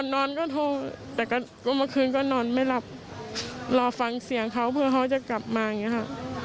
นอนไม่หลับรอฟังเสียงเขาเพื่อเขาจะกลับมาอย่างนี้ค่ะ